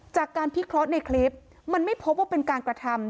จากการพิเคราะห์ในคลิปมันไม่พบว่าเป็นการกระทำ